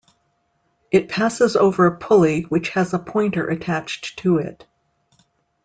It passes over a pulley which has a pointer attached to it.